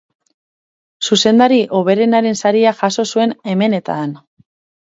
Zuzendari hoberenaren saria jaso zuen hemen eta han.